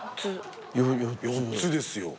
４つですよ。